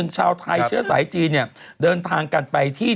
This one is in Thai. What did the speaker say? ชาวไทยเชื้อสายจีนเนี่ยเดินทางกันไปที่